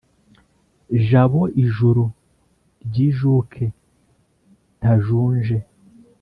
jabo ijuru ryijuke ntajunje